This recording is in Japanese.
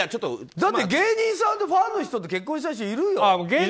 だって芸人さんでファンの人と結婚した人いるよ。